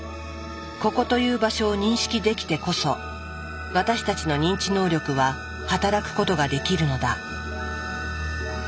「ここという場所」を認識できてこそ私たちの認知能力は働くことができるのだ。